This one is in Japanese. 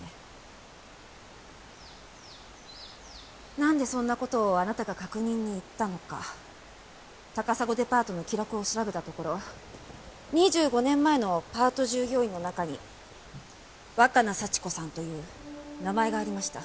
なんでそんな事をあなたが確認に行ったのか高砂デパートの記録を調べたところ２５年前のパート従業員の中に若名幸子さんという名前がありました。